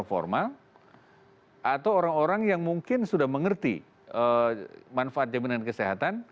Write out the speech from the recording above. orang orang yang sudah mengiur secara formal atau orang orang yang mungkin sudah mengerti manfaat jaminan kesehatan